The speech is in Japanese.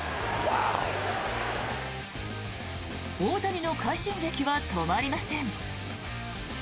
大谷の快進撃は止まりません。